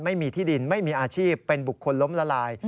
ไม่มีที่ดินไม่มีอาชีพเป็นบุคคลล้มละลาย